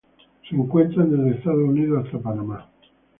Se encuentran desde Estados Unidos hasta Panamá.